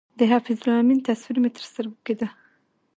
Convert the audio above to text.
د حفیظ الله امین تصویر مې تر سترګو کېده.